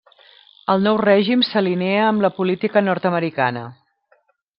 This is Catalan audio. El nou règim s'alinea amb la política nord-americana.